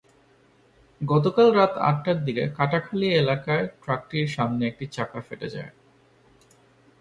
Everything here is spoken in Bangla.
গতকাল রাত আটটার দিকে কাটাখালী এলাকায় ট্রাকটির সামনের একটি চাকা ফেটে যায়।